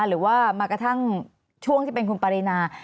หรือว่ามากระทั่งช่วงที่เป็นคุณปรินา